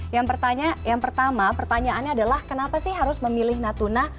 yang pertama pertanyaannya adalah kenapa sih harus memilih natuna